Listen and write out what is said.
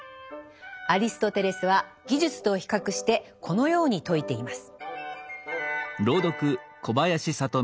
アリストテレスは技術と比較してこのように説いています。